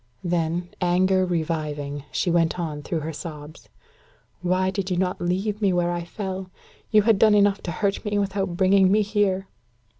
Then, anger reviving, she went on through her sobs: "Why did you not leave me where I fell? You had done enough to hurt me without bringing me here."